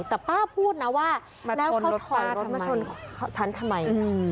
แต่ป้าพูดนะว่าแล้วเขาถอยรถมาชนฉันทำไม